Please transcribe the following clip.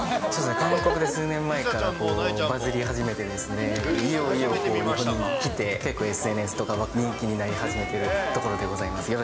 韓国で数年前からバズり始めてですね、いよいよ日本に来て、結構、ＳＮＳとかで人気になり始めてるところでございます。